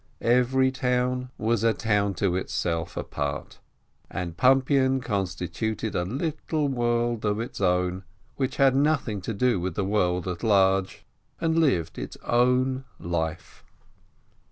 Every town was a town to itself, apart, and Pumpian constituted a little world of its own, which had nothing to do with the world at large, and lived its own life.